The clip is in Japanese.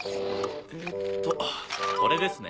えっとこれですね。